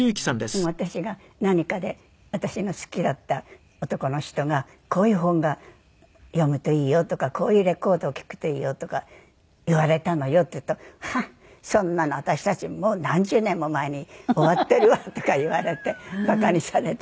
でも私が何かで私の好きだった男の人が「“こういう本が読むといいよ”とか“こういうレコードを聴くといいよ”とか言われたのよ」って言うと「そんなの私たちもう何十年も前に終わってるわ」とか言われてバカにされて。